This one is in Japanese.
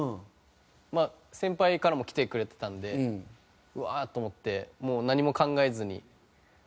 まあ先輩からも来てくれてたのでうわー！と思ってもう何も考えずに長かったもん。